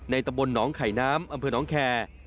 ตำบลหนองไข่น้ำอำเภอน้องแคร์